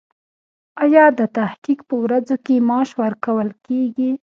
ایا د تحقیق په ورځو کې معاش ورکول کیږي؟